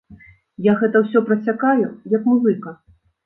Я гэта ўсё прасякаю, як музыка.